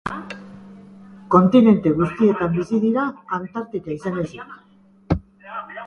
Kontinente guztietan bizi dira, Antartika izan ezik.